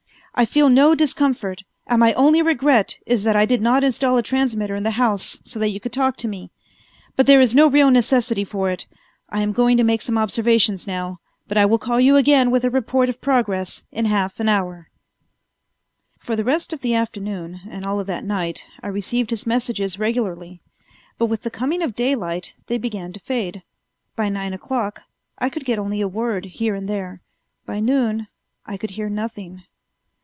I feel no discomfort, and my only regret is that I did not install a transmitter in the house so that you could talk to me; but there is no real necessity for it. I am going to make some observations now, but I will call you again with a report of progress in half an hour." For the rest of the afternoon and all of that night I received his messages regularly, but with the coming of daylight they began to fade. By nine o'clock I could get only a word here and there. By noon I could hear nothing.